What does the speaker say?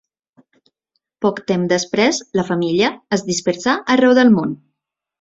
Poc temps després, la família es dispersà arreu del món.